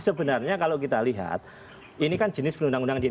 sebenarnya kalau kita lihat ini kan jenis perundang undangan di